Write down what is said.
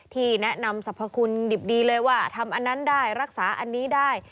ที่แนะนำสรรพคุณดิบดีเลยว่าทำอันนั้นได้รักษาอันนี้ได้